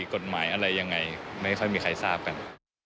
กฎหมายอะไรยังไงไม่ค่อยมีใครทราบกัน